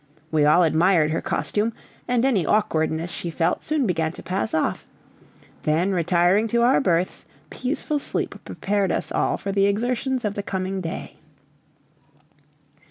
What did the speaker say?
We all admired her costume, and any awkwardness she felt soon began to pass off; then retiring to our berths, peaceful sleep prepared us all for the exertions of the coming day.